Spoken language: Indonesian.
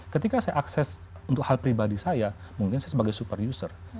ketika saya akses untuk hal pribadi saya mungkin saya sebagai super user